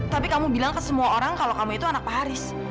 tapi kamu bilang ke semua orang kalau kamu itu anak paharis